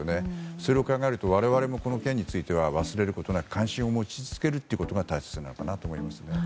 それを考えると我々もこの件については忘れることなく関心を持ち続けることが大切だと思います。